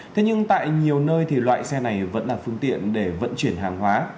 thế nhưng tại nhiều nơi thì loại xe này vẫn là phương tiện để vận chuyển hàng hóa